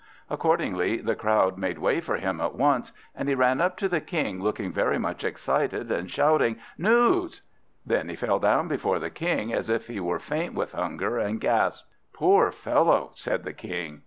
Accordingly the crowd made way for him at once, and he ran up to the King, looking very much excited, and shouting "News!" Then he fell down before the King, as if he were faint with hunger, and gasped. "Poor fellow!" said the King.